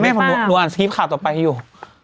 อาหารขาดต่อไปอยู่